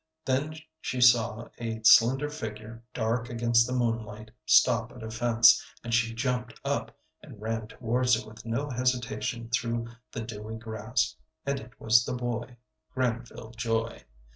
Then she saw a slender figure dark against the moonlight stop at a fence, and she jumped up and ran towards it with no hesitation through the dewy grass; and it was the boy, Granville Joy.